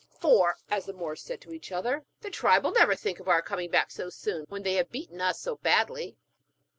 'For,' said the Moors to each other, 'the tribe will never think of our coming back so soon when they have beaten us so badly.'